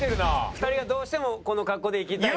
２人がどうしてもこの格好でいきたい。